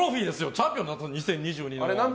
チャンピオンになったんですよ２０２２で。